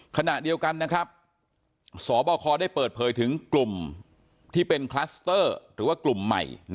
ขณะเดียวกันนะครับสบคได้เปิดเผยถึงกลุ่มที่เป็นคลัสเตอร์หรือว่ากลุ่มใหม่